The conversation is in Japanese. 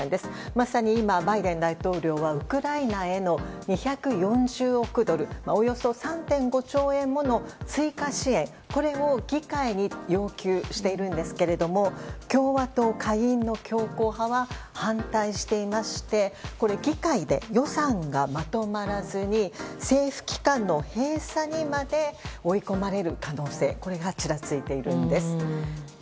まさに今、バイデン大統領はウクライナへの２４０億ドルおよそ３．５兆円もの追加支援を議会に要求しているんですが共和党下院の強硬派は反対していまして議会で予算がまとまらずに政府機関の閉鎖にまで追い込まれる可能性がちらついているんです。